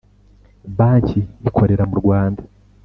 Banki ikorera mu rwanda